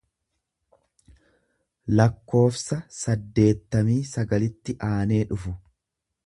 lakkoofsa saddeettamii sagalitti aanee dhufu.